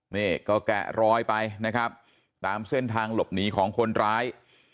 นี่ก็แกะรอยไปนะครับตามเส้นทางหลบหนีของคนร้าย